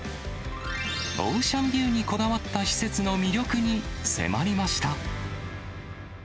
オーシャンビューにこだわった施設の魅力に迫りました。